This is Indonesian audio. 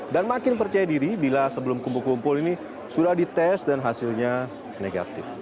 dan makin percaya diri bila sebelum kumpul kumpul ini sudah dites dan hasilnya negatif